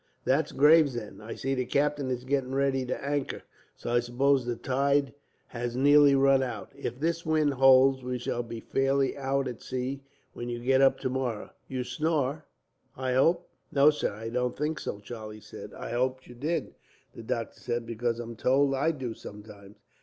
That's Gravesend. I see the captain is getting ready to anchor. So, I suppose the tide has nearly run out. If this wind holds, we shall be fairly out at sea when you get up tomorrow. "You snore, I hope?" "No, sir, I don't think so," Charlie said. "I hoped you did," the doctor said, "because I'm told I do, sometimes.